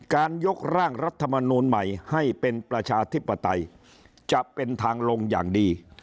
การยกร่างรัฐมนูลใหม่ให้เป็นประชาธิปไตยจะเป็นทางลงอย่างดี